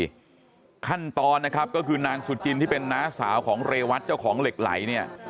การทำพิธีขั้นตอนนะครับก็คือนางสุจินที่เป็นน้าสาวของเรวัตรเจ้าของเหล็กไหล